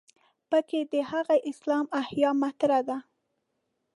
په کې د هغه اسلام احیا مطرح ده.